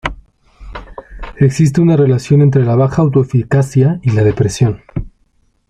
Existe una relación entre la baja autoeficacia y la depresión.